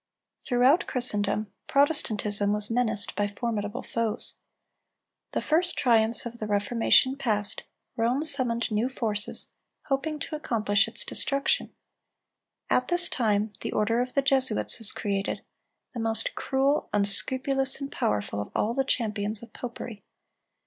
Throughout Christendom, Protestantism was menaced by formidable foes. The first triumphs of the Reformation past, Rome summoned new forces, hoping to accomplish its destruction. At this time, the order of the Jesuits was created, the most cruel, unscrupulous, and powerful of all the champions of popery.